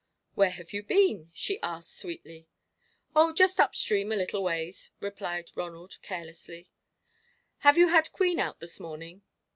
"Where have you been?" she asked sweetly. "Oh, just up stream a little ways," replied Ronald, carelessly. "Have you had Queen out this morning?"